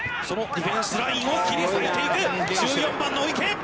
そのディフェンスラインを切り裂いていく１４番の御池。